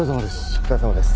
お疲れさまです。